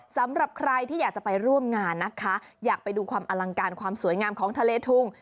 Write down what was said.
สำหรับใครที่อยากจะไปร่วมงานนะคะอยากไปดูความอลังการความสวยงามของทะเลทุง